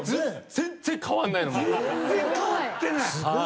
全然変わってない。